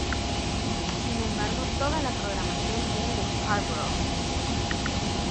Sin embargo, toda la programación viene de Scarborough.